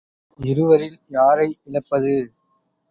இருவரில் யாரை இழப்பது?